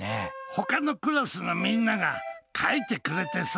他のクラスのみんなが書いてくれてさ。